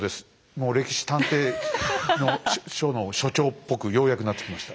もう歴史探偵所の所長っぽくようやくなってきました。